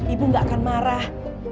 ibu nggak akan marah